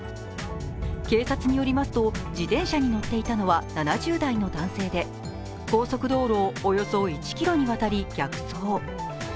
警察によりますと自転車に乗っていたのは７０代の男性で高速道路をおよそ１ｋｍにわたり逆走。